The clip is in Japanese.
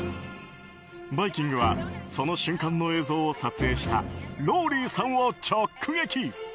「バイキング」はその瞬間の映像を撮影したローリーさんを直撃。